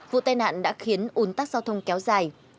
vụ tai nạn đã khiến ủn tắc giao thông kéo dài